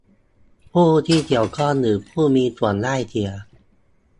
ผู้ที่เกี่ยวข้อง หรือผู้มีส่วนได้เสีย